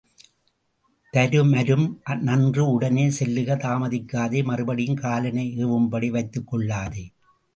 தருமரும் நன்று, உடனே செல்லுக, தாமதிக்காதே, மறுபடியும் காலனை எவும்படி வைத்துக் கொள்ளாதே.